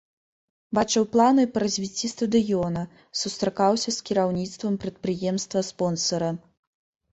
Бачыў планы па развіцці стадыёна, сустракаўся з кіраўніцтвам прадпрыемства-спонсара.